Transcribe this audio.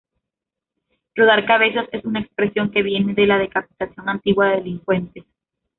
Rodar cabezas es una expresión que viene de la decapitación antigua de delincuentes.